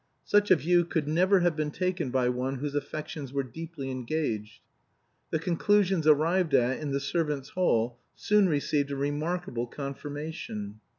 Such a view could never have been taken by one whose affections were deeply engaged. The conclusions arrived at in the servants' hall soon received a remarkable confirmation.